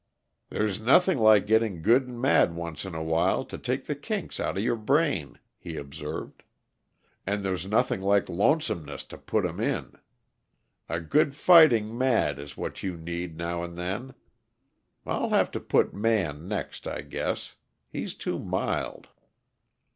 "There's nothing like getting good and mad once in a while, to take the kinks out of your brain," he observed. "And there's nothing like lonesomeness to put 'em in. A good fighting mad is what you need, now and then; I'll have to put Man next, I guess. He's too mild."